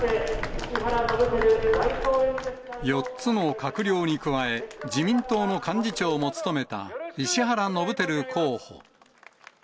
４つの閣僚に加え、自民党の幹事長も務めた石原伸晃候補。